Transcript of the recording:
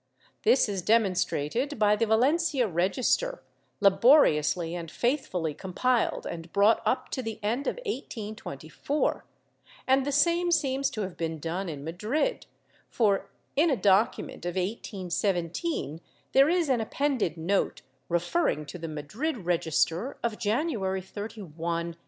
This is demonstrated by the Valencia register, laboriously and faithfully compiled and brought up to the end of 1824, and the same seems to have been done in Madrid for, in a document of 1817, there is an appended note referring to the Madrid register of January 31, 1824.